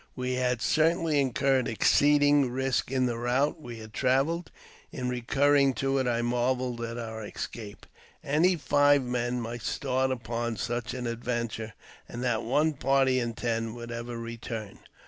We had certainly incurred exceeding risk in the route we had travelled ; in recurring to it I marvelled at our escape. Any five men might start upon such an adventure, and not one party in ten would ever return.